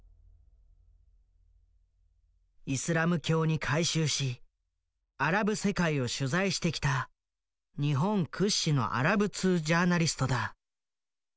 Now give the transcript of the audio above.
イスラム教に改宗しアラブ世界を取材してきた日本屈指のアラブ通ジャーナリストだ。